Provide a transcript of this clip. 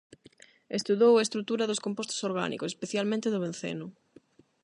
Estudou a estrutura dos compostos orgánicos, especialmente do benceno.